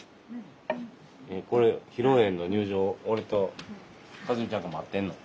これ披露宴の入場俺と一美ちゃんと待ってんの？